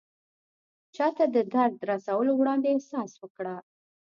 چاته د درد رسولو وړاندې احساس وکړه.